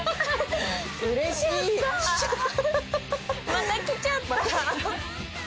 また来ちゃった。